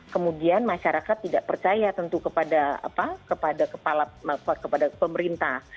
kemudian masyarakat tidak percaya tentu kepada pemerintah